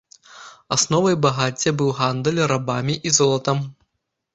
Асновай багацця быў гандаль рабамі і золатам.